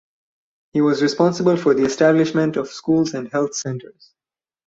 He was responsible for the establishment of schools and health centres.